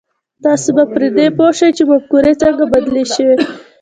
تاسې به پر دې پوه شئ چې مفکورې څنګه بدلې شوې.